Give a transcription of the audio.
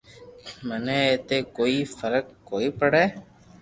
مني اي تي ڪوئي فراڪ ڪوئي پڙي